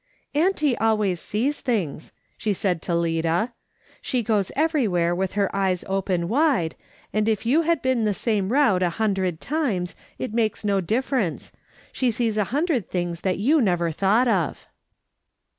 f' Auntie always sees things/' she sai(i to Lida. '' She goes everywhere with her eyes open wide, and if you have been the same route a hundred times, it makes no difference ; she sees a hundred things that you never thought of."